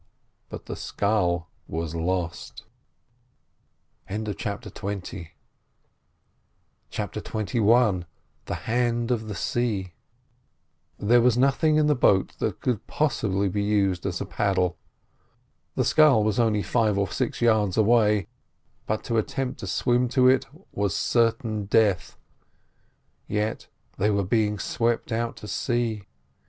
But the scull was lost. CHAPTER XXI THE HAND OF THE SEA There was nothing in the boat that could possibly be used as a paddle; the scull was only five or six yards away, but to attempt to swim to it was certain death, yet they were being swept out to sea.